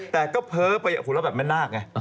แต่ก็เพ้อไปหัวเราะแบบแม่นาคไง